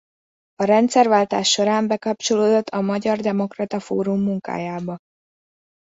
A rendszerváltás során bekapcsolódott a Magyar Demokrata Fórum munkájába.